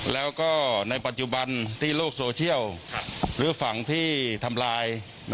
แล้วก็ในปัจจุบันที่โลกโซเชียลหรือฝั่งที่ทำลาย